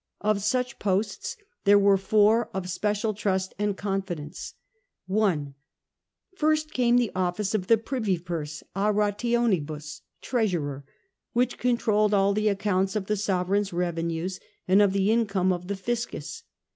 Of such posts there were four of special trust and con fidence. 1°. First came the office of the Privy Purse (a rationibus), which controlled all the accounts of the sovereign's revenues, and of the income of the The most Fiscus.